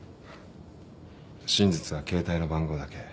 真実は携帯の番号だけ。